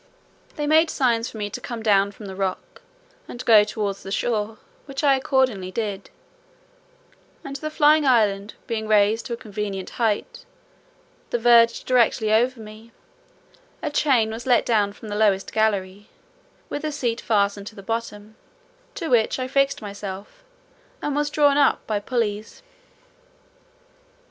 They made signs for me to come down from the rock, and go towards the shore, which I accordingly did; and the flying island being raised to a convenient height, the verge directly over me, a chain was let down from the lowest gallery, with a seat fastened to the bottom, to which I fixed myself, and was drawn up by pulleys.